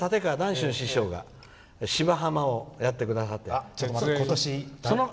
春師匠が「芝浜」をやってくださって。